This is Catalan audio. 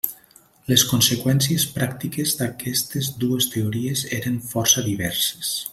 Les conseqüències pràctiques d'aquestes dues teories eren força diverses.